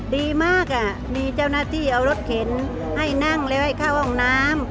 ดีมากมีเจ้าหน้าที่เอารถเข็นให้นั่งแล้วให้เข้าห้องน้ำ